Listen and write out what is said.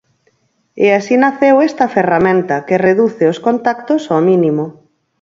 E así naceu esta ferramenta, que reduce os contactos ao mínimo.